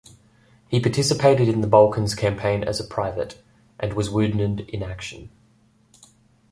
He participated in the Balkans Campaign as a private, and was wounded in action.